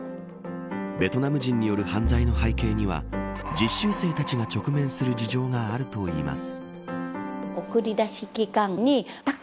ベトナム人による犯罪の背景には実習生たちが直面する事情があるといいます。